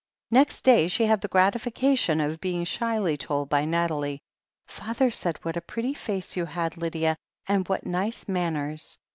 Next day she had the gratification of being shyly told by Nathalie : "Father said what a pretty face you had, Lydia, and what nice manners.